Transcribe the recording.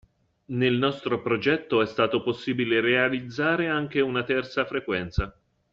Nel nostro progetto è stato possibile realizzare anche una terza frequenza.